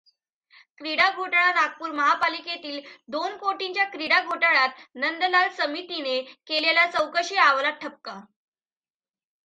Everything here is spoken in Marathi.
क्रीडा घोटाळा नागपूर महापालिकेतील दोन कोटींच्या क्रीडा घोटाळ्यात नंदलाल समितीने केलेल्या चौकशी अवालात ठपका.